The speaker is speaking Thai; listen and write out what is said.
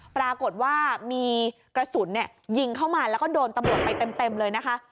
ปรากฏว่ามีกระสุนยิงเข้ามาแล้วก็โดนตำรวจไปเต็มเลยนะคะ